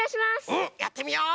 うんやってみよう！